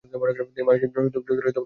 তিনি মার্কিন যুক্তরাষ্ট্রে অভিবাসন করেন।